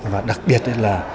và đặc biệt là